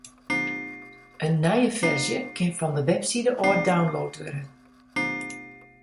In nije ferzje kin fan de webside ôf download wurde.